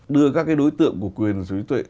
đưa các cái đối tượng của quyền sở hữu trí tuệ